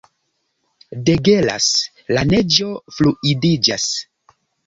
Degelas; la neĝo fluidiĝas.